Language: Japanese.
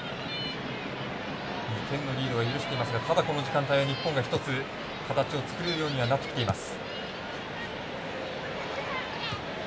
２点のリードを許していますがただ、この時間帯日本が形を作れるようになってきています。